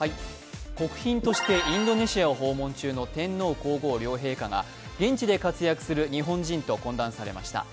国賓としてインドネシアを訪問中の天皇皇后両陛下が現地で活躍する日本人と懇談されました。